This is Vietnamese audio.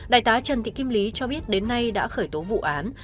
đại tá trần thị kim lý cho biết đến nay đã khởi tố vụ án